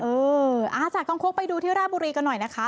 มาจากคางคกไปดูธิระบุรีกันหน่อยนะคะ